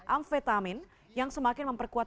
amfetamin yang semakin memperkuat